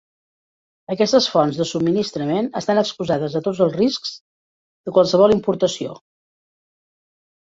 Aquestes fonts de subministrament estan exposades a tots els riscs de qualsevol importació.